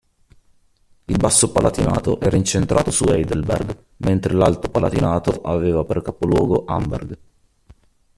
Il Basso Palatinato era incentrato su Heidelberg, mentre l'Alto Palatinato aveva per capoluogo Amberg.